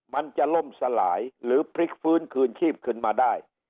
มันจะล่มสลายหรือพลิกฟื้นคืนชีพขึ้นมาได้